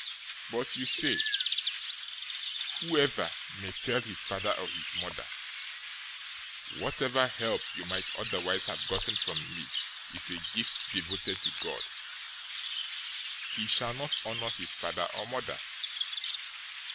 '{Exodus 21:17; Leviticus 20:9} 015:005 But you say, 'Whoever may tell his father or his mother, "Whatever help you might otherwise have gotten from me is a gift devoted to God," 015:006 he shall not honor his father or mother.'